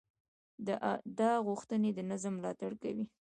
دا غوښتنې د نظم ملاتړ کوي.